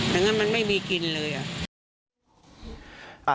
อย่างนั้นมันไม่มีกินเลยอ่ะ